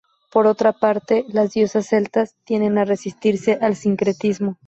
Por otra parte, las diosas celtas tienden a resistirse al sincretismo.